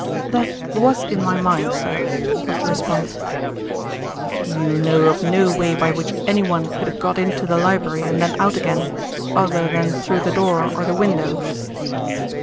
"That was in my mind, sir," was the response. "You know of no way by which anyone could have got into the library and then out again, other than through the door or the window?"